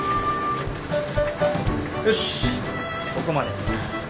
よしここまで。